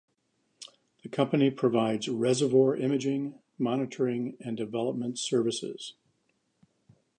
The company provides reservoir imaging, monitoring, and development services.